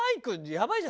やばい。